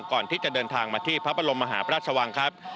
ก่อนที่จะเดินทางมาที่พระบรมมหาพระราชวังครับ